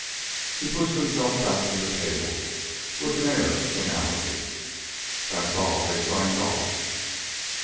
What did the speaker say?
He pushed himself back from the table with an air of finality. "That's all. They've signed off."